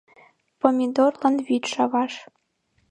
Помидорлан вӱд шаваш.